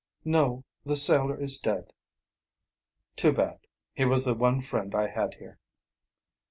"No; the sailor is dead." "Too bad he was the one friend I had here."